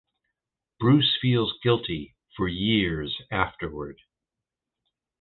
Bruce feels guilty for years afterward.